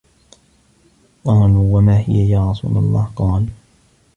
قَالُوا وَمَا هِيَ يَا رَسُولَ اللَّهِ ؟ قَالَ